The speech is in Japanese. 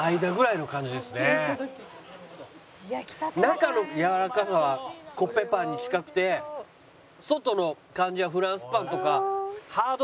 中のやわらかさはコッペパンに近くて外の感じはフランスパンとかハード系のパンの感じだ。